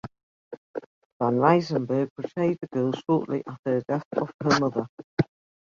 Van Rysselberghe portrayed the girl shortly after the death of her mother.